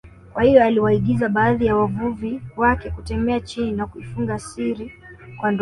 Kwa hiyo aliwaagiza baadhi ya wavuvi wake kutembea chini na kuifunga siri kwa ndoano